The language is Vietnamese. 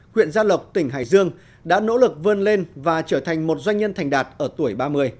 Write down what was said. huyện gia lộc tỉnh hải dương đã nỗ lực vươn lên và trở thành một doanh nhân thành đạt ở tuổi ba mươi